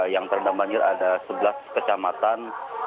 yang terendam banjir ada sebelas kecamatan